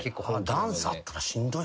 ダンサーやったらしんどい。